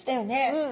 うん。